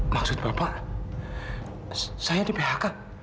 maksud bapak saya di phk